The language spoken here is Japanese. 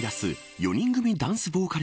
４人組ダンスボーカル